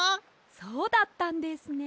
そうだったんですね。